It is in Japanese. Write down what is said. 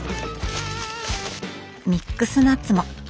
ミックスナッツも！